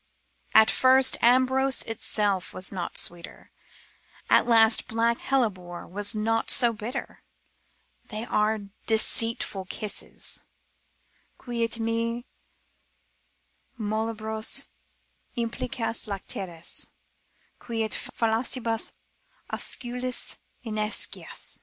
At first Ambrose itself was not sweeter, At last black hellebore was not so bitter. They are deceitful kisses, Quid me mollibus implicas lacertis? Quid fallacibus osculis inescas?